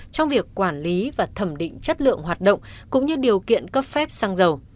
trong việc quản lý và thẩm định chất lượng hoạt động cũng như điều kiện cấp phép xăng dầu